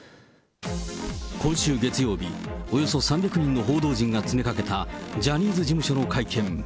今週月曜日、およそ３００人の報道陣が詰めかけたジャニーズ事務所の会見。